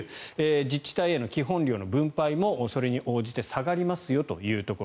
自治体への基本量の分配もそれに応じて下がりますよと。